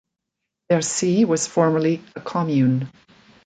Bercy was formerly a commune.